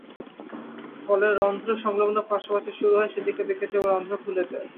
ফলে রন্ধ্রসংলগ্ন পার্শ্বপ্রাচীর শুরু হওয়ায় সেদিকে বেঁকে যায় এবং রন্ধ্র খুলে যায়।